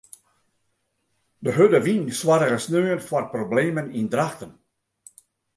De hurde wyn soarge sneon foar problemen yn Drachten.